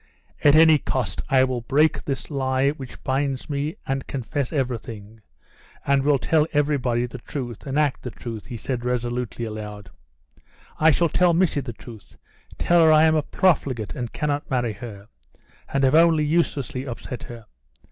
"At any cost I will break this lie which binds me and confess everything, and will tell everybody the truth, and act the truth," he said resolutely, aloud. "I shall tell Missy the truth, tell her I am a profligate and cannot marry her, and have only uselessly upset her.